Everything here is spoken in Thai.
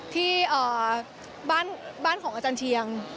ที่บ้านของอาจารย์เชียง